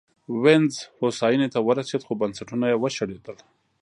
وینز هوساینې ته ورسېد خو بنسټونه یې وشړېدل